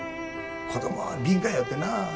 子供は敏感やよってな。